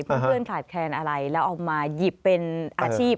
เพื่อนขาดแคลนอะไรแล้วเอามาหยิบเป็นอาชีพ